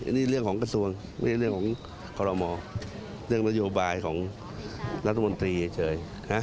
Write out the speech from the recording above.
ไม่มีนี่เรื่องของกระทรวงไม่มีเรื่องของกรมเรื่องนโยบายของรัฐมนตรีเฉย